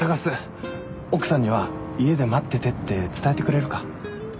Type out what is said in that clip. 奥さんには家で待っててって伝えてくれるか？